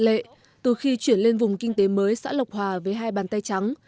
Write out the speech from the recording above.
lệ từ khi chuyển lên vùng kinh tế mới xã lộc hòa với hai bàn tay trắng